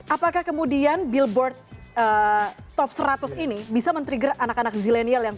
apakah kemudian billboard top seratus ini bisa men trigger anak anak zilenial yang